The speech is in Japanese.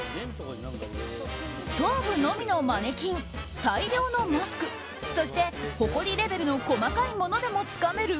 頭部のみのマネキン大量のマスクそして、ほこりレベルの細かいものでもつかめる